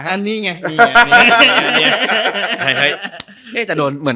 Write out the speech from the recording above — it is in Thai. อันนี้ไง